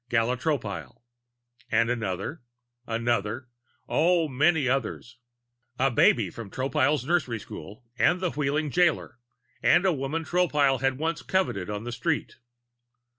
(Gala Tropile.) And another, another oh, many others a babe from Tropile's nursery school and the Wheeling jailer and a woman Tropile once had coveted on the street.